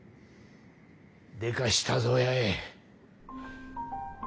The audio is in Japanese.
でかしたぞ八重。